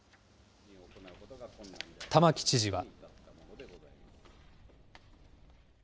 玉城知事は。